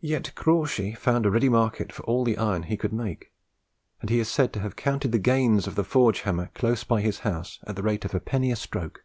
Yet Crawshay found a ready market for all the iron he could make, and he is said to have counted the gains of the forge hammer close by his house at the rate of a penny a stroke.